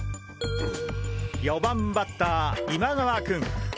４番バッター今川君！